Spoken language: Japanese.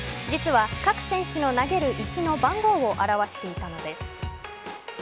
実は、各選手の投げる石の番号を表していたのです。